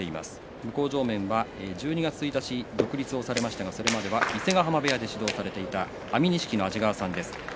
向正面は１２月１日独立をされましたそれまでは伊勢ヶ濱部屋で指導されていた安美錦の安治川さんです。